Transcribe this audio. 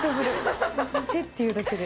手っていうだけで。